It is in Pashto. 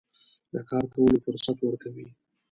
د کار کولو فرصت ورکوي.